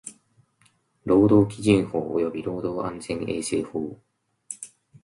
労働基準法及び労働安全衛生法